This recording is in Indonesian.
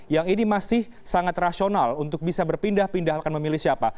yang ini masih sangat rasional untuk bisa berpindah pindah akan memilih siapa